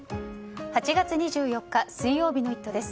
８月２４日、水曜日の「イット！」です。